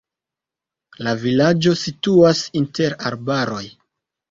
La vilaĝo situas inter arbaroj.